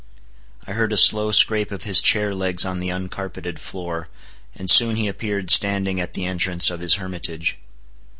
I heard a slow scrape of his chair legs on the uncarpeted floor, and soon he appeared standing at the entrance of his hermitage.